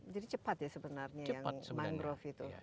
jadi cepat ya sebenarnya yang mangrove itu